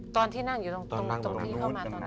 ตอนที่นั่งอยู่ตรงที่เข้ามาตอนนั้น